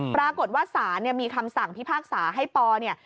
ปรากฏว่าสามีคำสั่งที่ภาคสาให้ปเนี่ย